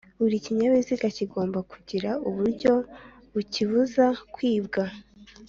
buri kinyabiziga kigomba kugira uburyo bukibuza kwibwa